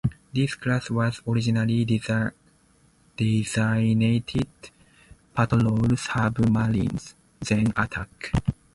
This class was originally designated patrol submarines, then attack.